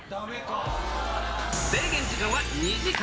制限時間は２時間。